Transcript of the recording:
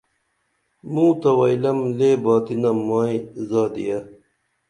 موں تہ وئیلم لے باتی نم مائی زادِیہ